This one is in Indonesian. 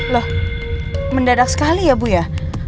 loh mendadak sekali ya bu ya